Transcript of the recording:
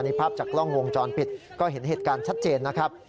ภาพจากกล้องวงจรปิดก็เห็นเหตุการณ์ชัดเจนนะครับ